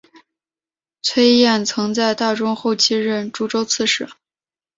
崔彦曾在大中后期任诸州刺史。